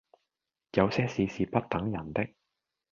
有些事是不等人的